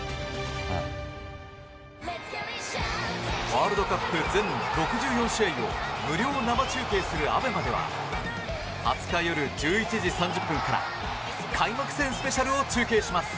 ワールドカップ全６４試合を無料生中継するＡＢＥＭＡでは２０日夜１１時３０分から開幕戦スペシャルを中継します。